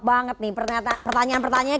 banget nih pertanyaan pertanyaan